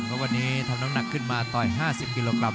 เพราะวันนี้ทำน้ำหนักขึ้นมาต่อย๕๐กิโลกรั